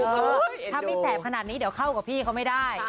ถ้าไม่แสบขนาดนี้เดี๋ยวเข้ากับพี่เขาไม่ได้